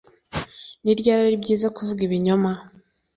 Ni ryari ari byiza kuvuga ibinyoma